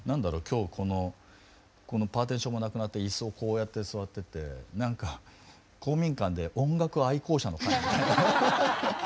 今日このパーティションがなくなって椅子をこうやって座っててなんか公民館で音楽愛好者の会みたいな。